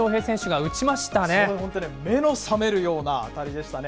本当ね、目の覚めるような当たりでしたね。